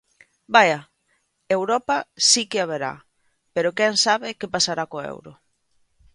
Vaia, Europa si que haberá, pero quen sabe que pasará co euro.